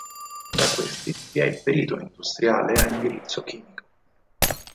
Tra questi vi è il perito industriale a indirizzo chimico.